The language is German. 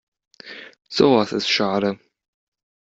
Sowas ist schade.